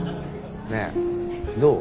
ねえどう？